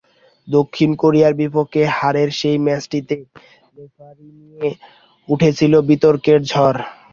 দক্ষিণ কোরিয়ার বিপক্ষে হারের সেই ম্যাচটিতে রেফারি নিয়ে উঠেছিল বিতর্কের ঝড়।